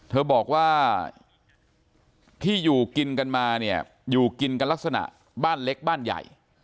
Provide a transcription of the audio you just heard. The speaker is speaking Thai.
เธอบอกว่าที่อยู่กินกันมาเนี่ยอยู่กินกันลักษณะบ้านเล็กบ้านใหญ่